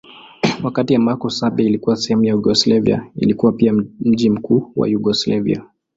Wakati ambako Serbia ilikuwa sehemu ya Yugoslavia ilikuwa pia mji mkuu wa Yugoslavia.